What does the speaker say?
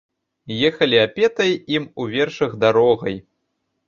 Ехалі апетай ім у вершах дарогай.